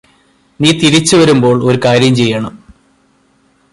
നീ തിരിച്ച് വരുമ്പോള് ഒരു കാര്യം ചെയ്യണം